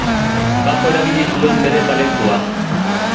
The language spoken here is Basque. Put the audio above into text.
Bapo erabili zuen bere talentua.